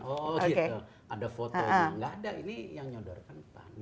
oh gitu ada fotonya nggak ada ini yang nyodorkan pan